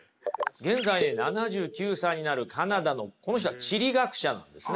現在７９歳になるカナダのこの人は地理学者なんですね。